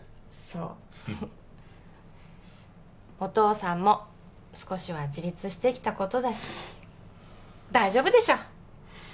そうお父さんも少しは自立してきたことだし大丈夫でしょ！